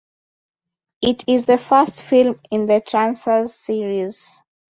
It is the first film in the "Trancers" series.